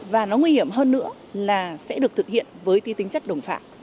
và nó nguy hiểm hơn nữa là sẽ được thực hiện với ti tính chất đồng phạm